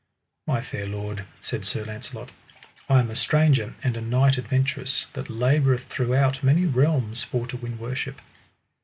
My fair lord, said Sir Launcelot, I am a stranger and a knight adventurous, that laboureth throughout many realms for to win worship.